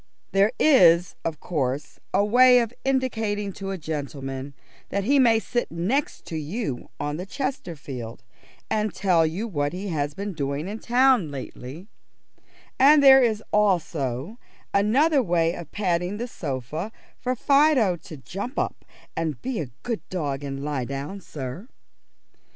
There is, of course, a way of indicating to a gentleman that he may sit next to you on the Chesterfield, and tell you what he has been doing in town lately, and there is also another way of patting the sofa for Fido to jump up and be a good dog and lie down sir.